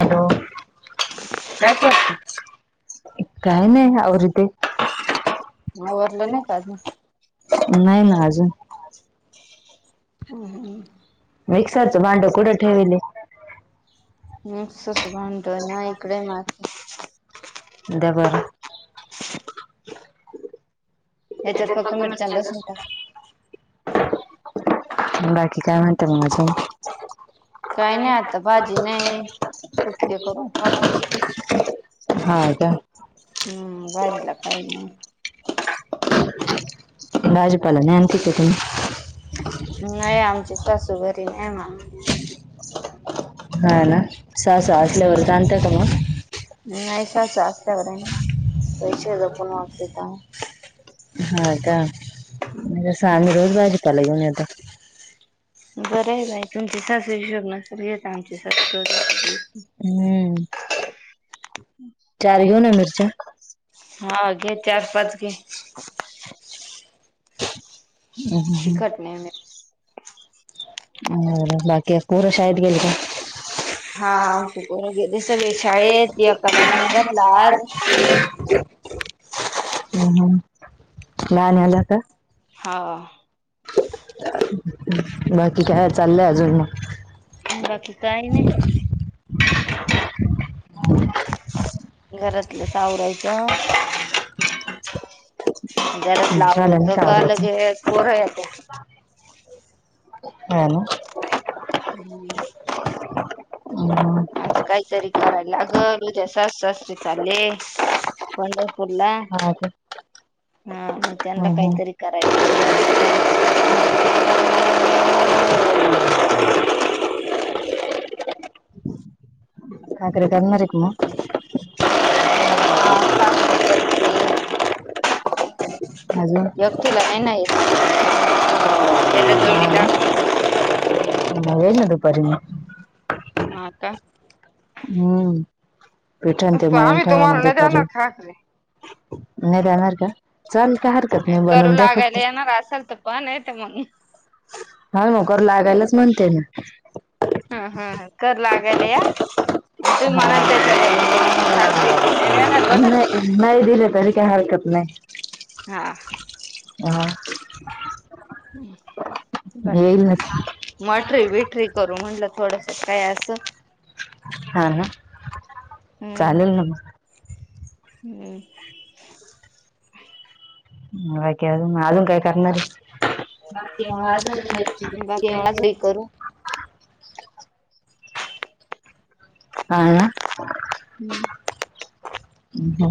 Hello काय करती? काय नाही आवरते आवरलं नाई का अजून? नाई ना अजून. ऊ.. हुं. मिक्सरचं भांड कुठं ठेवेल ए? मिक्सरचं भांडं ना... इकडं मा द्या बरं ह्याच्यात फक्त... मिरच्या अन लसूण टाक. बाकी काय म्हणत्या मग अजून? काय नाही आता भाजी नाही कुटके करून खातो. [inaudible] हा का? हम्म [unintelligible] काय नाय. भाजीपाला नाय [unintelligible] नाई... आमची सासू घरी नाई... मग [unintelligible] हा ना... सासू असल्यावरच मग आणत्या का मग? नाही सासू असल्यावर आहे पैसे जपून वापरत जावा. हा का सामी रोज भाजीपाला घेऊन येतों बरं आहे बाई तुमची सास हशोब नसेत. आमची सासू दरोरोज. हम्म चार घेऊ ना मिरच्या हा अगे चार पाच गे. चिकट नाही म [unintelligible] हो बाकी पोर शाळेत गेल का. हा आमची पोरं गेले सगळे शाळेत एकाला नेऊन घातला आज. हव [unintelligible] हम नाहीनला का. हा. बाकी काय चाललंय अजून मग. बाकी काही नाही. घरातलंच आवरायच. मग घरातला झालं उरूस ना का आवरायचं तोपर्यंत पोर येत. ह. ना हम्म हम् आज काहीतरी करायला लागल उद्या सास सासे चाले. पंढरपूरलाग हा का ह त्यांना ह काहीतरी. करायला लागल आज खायला. हम् का क मर एक म [unintelligible] हा साखरे करते. अजून व्यक्तीला आहे ना क त्याला जोडी लाग. न दुपारी मी. हा. का हम्म पिठणते म्हणून आम्ही ठेवा तुम्हाला म नाही दुपारी. देणार खाकरे. नट अमेर का. चाल काय हरकत नाही करू बनवून द्या फक्त. लागायला येणार असाल तर पण आहे तर मग हा मकर लागायलाच म्हणते ना. हम हम कर लागेल या. अजून हा म्हणात त्याच्या बदल ले साखरी नाही जाणार वट. नाही नाही दिले तरी काही हरकत नाही. हा. हा. ह बर येईल ना मटरी विटरी करू म्हटलं थोडस काय असं. हा. हा चालेल, ना मग. हम्म बाकी अजून अजून काय करणार. बाकी एवढाचही करू हा. हम्म अ हा.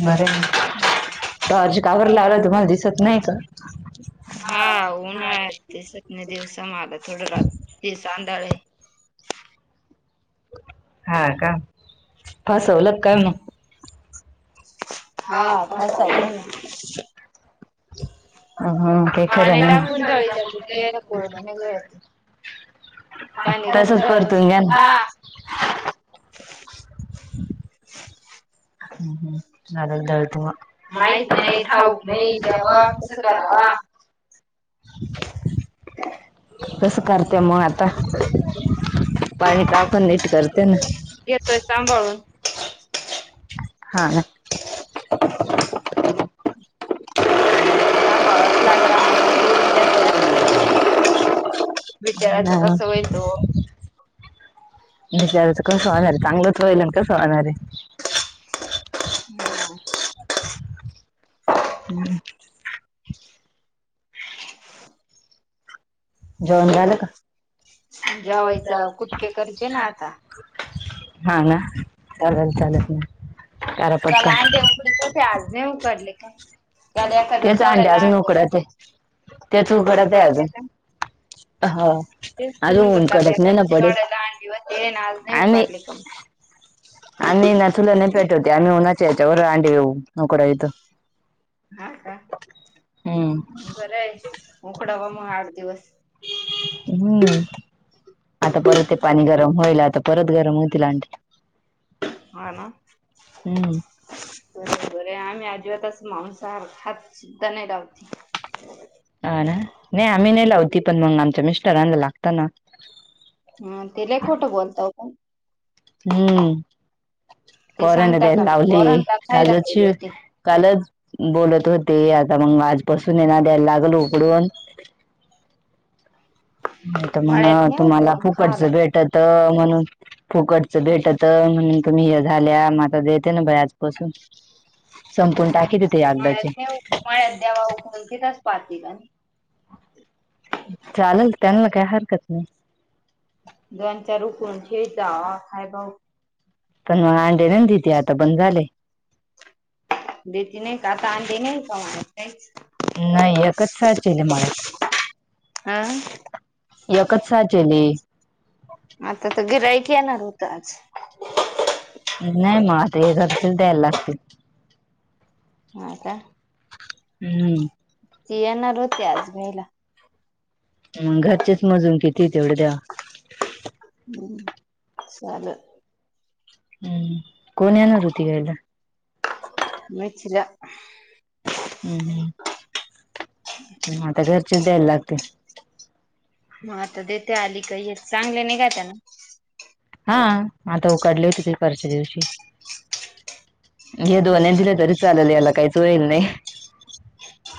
बरर्ज कावर लावला तुम्हाला दिसत नाही का. हा उन्हाळ्यात तेसत [unintelligible] दिवसा माग थोडं रा. ते साण्डाळ ए हा का फसवलत काय मग? हा फसवल. हा हा. पाणी टाकून द्यावी त्या कुठ कोरडळती. पाणी घालून तसच परतून धवायचं घ्या ना. हा. [inaudible] माहित नाही ठाऊक नाही दव कस करावा. [inaudible] कसं करते मग आता पाणी टाकुण नीट करते ना? घेतोय सांभाळून. हा. सांभाळावच लागलं आता काय सोडून देता [unintelligible] हा विचाराच ना कस होयत ओ. बिचाराच कसं होणारे चांगलंच वईल आणि कसं होणारे? हम्. [inaudible] जेवण झालं का? जेवायचा कुटके करते ना आता हा ना चालल चाल करा पटकन. तुमच्या आज नाई उकडले काय? का एखाद्या तेच अंडे सोडायला अजून उकडत आहे. तेच उकडत आहे अजून [unintelligible] हा तेच तर अजून म्हंटलं ऊन का कडक नाही ना एखाद पडेल. सोड्याला अंडी होते आज नाई आम्ही उकडले का मग? आम्ही ना तुला नाही पेटवते आम्ही उन्हाचा याच्यावर अंडी ऊ हा का हम्म बरं आहे उकडा मग आठ दिवस. हम्म. आता परत ते पाणी गरम होईल आता परत गरम होतील आण हा ना? हम्म बरोबर आहे आम्ही आजीबातच मांसाहार हात सुद्धा नाही लावते. अ ना नाही आम्ही नाही लावती पण मग आमच्या मिस्टरांना लागताना? हा ते लय खोठं बोलता का? हम्म ते पोरांना सांगता त्याला का मी लावली पोरांना खायला केले कालची होते कालच बोलत होते आता मग आजपासून येना द्यायला लागल उकडून. नाही तर म्हणा मळ्यात नाही तुम्हाला उकरून फुकटच खायला. भेटत म्हणून फुकटचं भेटत म्हणून तुम्ही हे झाल्या म आता देते ना बाई आजपासून संपून टाकी तेते मळ्यात अगदाची. नाही मळ्यात द्याव उकडून तिथंच पातेल. चालेल त्यांना काय हरकत नाही. दंचा रुखून खेळ जा खायबाऊ पण मग अंडे नाहीधीती आता बंद झाले. देती नाही का आता आंडी नाही का काहीच. नाही एकच साचेले मळ्यात आ? एकच साचेली. आता तर गिरायक येणार होत आज. नाही मग आता हे घरचेच द्यायला लागतील. मा का [unintelligible] हम्म. ति येणार होती आज न्यायला. मग घरचेच मजून किती तेवढ्या द्या. हम् ल [unintelligible] हम्म. कोण येणार होती न्यायला? मथला [unintelligible] हम्म. हम्म. मग आता घरचीच द्यायला लागतील. मग आता देते आलीकी य चांगले. नाही का त्याना [unintelligible] हा, हा, आता उकडले होती ते परवाच्या दिवशी. हे झालं दोन ना दिले तरी चालेल, याला काहीच होईल नाही.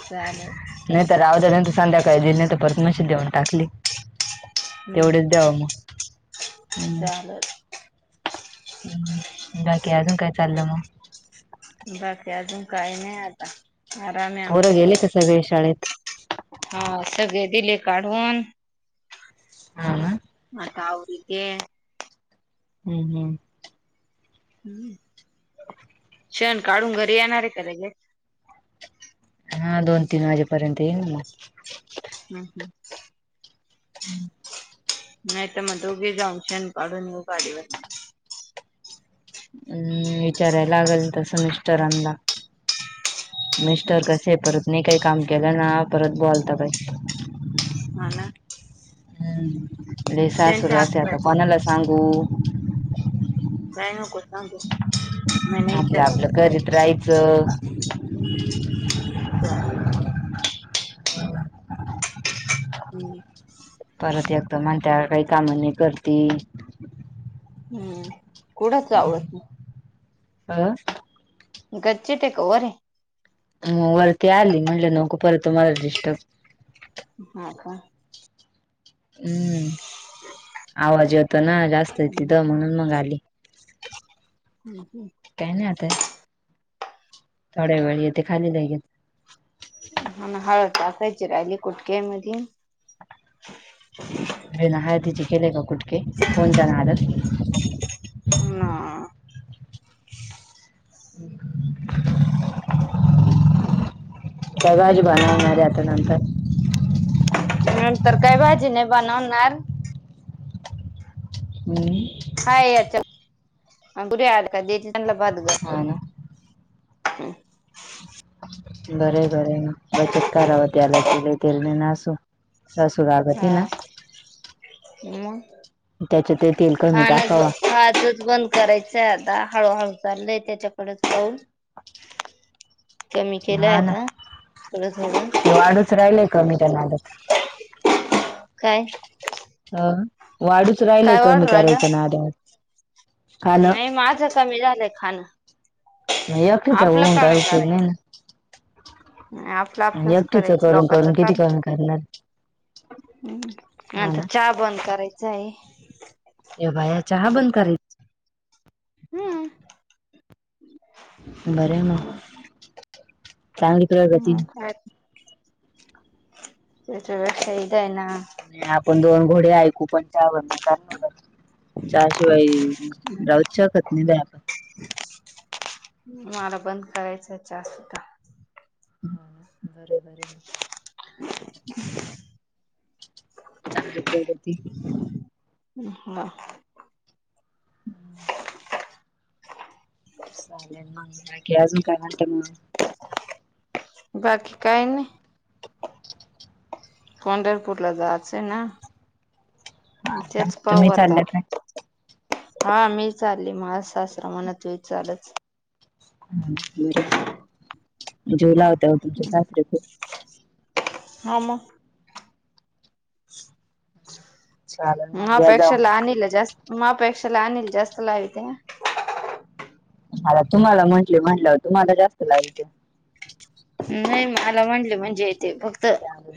त्याले [unintelligible] नाही तर, रावदे नंतर संध्याकाळी दिली नाही तर परत मशीन देऊन टाकली. हम्म तेवढेच द्याव मग, हम्. झा [unintelligible] बाकी अजून काय चाललं मग? चाललंय अजून काही नाही आता. आराम आहे पोर आमचा गेले का सगळे शाळेत? हा सगळे दिले काढून. हा ना आता- [unintelligible] हम्म हम् [unintelligible] शेण काढून घरी येणार आहे का लगेच? हा, दोन तीन वाजेपर्यंत येईल ना. हम् हम् [unintelligible] हम् [inaudible] नाही तर मग, दोघी जाऊन शेण काढून येऊ गाडीवर. अंम.. विचाराय लागेल तर मिस्टराना. मिस्टर कसे आहे, परत नाही काही काम केलं ना परत बोलतात- हा ना. हम्म. आणि त्यांच्या सासुरवाशी हात आहे तर आता पायला कोनाला सांगू? काय नको सांगू मी नाही विचारलं तुला [unintelligible] तर- [unintelligible] हम्म [unintelligible] परत एकत म्हणत्याल, काही कामं नाही करती. हम्म आवडत नाही [unintelligible] मग [unintelligible] गच्चीत आहे का वर हे? वरती आली, म्हटलं नको परत तुम्हाला डिस्टर्ब. हा का? हम्म.. आवाज यतो ना जास्त तिथं म्हणून मग आली. हम् ह् [unintelligible] काही नाही आता. थोड वेळ येते. खाली नाही घेत. ह हळद टाकायची राहिली कुटक्या मध [unintelligible] ह तिचे केलेय का कुठके फोन नादाडत ह प्रगज बनव ना र आता नंतर नंतर काय भाजी नाही बनवणार हम्म हा यांच्यात देते त्यांना हा ना ह् बर बर बचत करावी तेलाची तेल नाय नसू सासू रागवती ना हम त्याच्यात तेल कमी टाकावा हाजच बंद करायचंय आता हळूहळू चाललय त्याच्याकडेच पाऊल कमी केलं. हा ना आता थोडं झालं ते वाढच राहिलय कमी करणारच्या नादात काय ह वाढूच राहिलय काय वाढू कमी राहिलं करायच नादात खाणं नाही माझं कमी झालंय खाणं नाही एकटीच आपलं होऊन काय कमी उपयोग नाही करायचं ना आपलं आपलंच एकटीच करायचं करून लोकांच करून किती करून करणार हम्म हा आता ना चहा बंद करायचं आहे ए बाया चहा बंद करायची हम्म बरे म चांगली प्रगती हा काय ते त वसाय जाय ना नाही आपण दोन घोडे, ऐकू पण त्यावर काय चहाशिवाय राहूच शकत नाही बाई आपण मला बंद करायचं चहा हा बर बर चांगली प्रगती ह् हा हम्म चालेल मग बाकी अजून काय म्हणत मग बाकी काय नाही. पंढरपूर ला जायचं ना हा का तेच पाऊ तुम्ही आता चालल्या काय? हा मी चालली मझ शास्त्र म्हणाच चालच ह बरजे लावते तुमचे सासरे जीव लावते खूप हा मग हम मपेक्षाला आणल जास् मापेक्षाला आणल जास्त लावित मला तुम्हाला म्हंटले म्हंलंवर तुम्हाला जास्त लागल नाही मला म्हटले म्हणजे तेे फक्त चालेल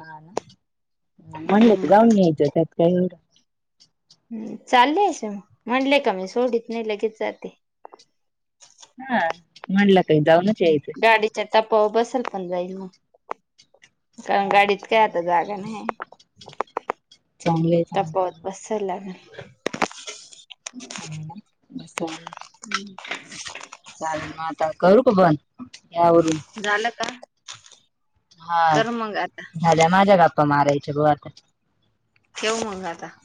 हा ना मंणत गवंग्य जोते्यात कायर चाल अस म्हणले का मी सोडीत नाही लगेच जाते. हम् मलकयता गाडीच्या टपावर बसेल पण जाईल ना. कारण हा गाडीत काय आता चांगलंय जागा चांगलंय नाही. चांगलंय तपा वत चांगलंय. बस लाग हम् ब [inaudible] हम् [unintelligible] चालेल मग आता करू का बंद घे आवरून. झालं का? हा कर मग आता झाल्या माझ्या गप्पा मारायचे गो आता. ठेव मग आता.